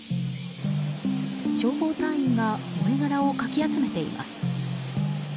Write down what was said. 消防隊員が燃えがらをかき集めています。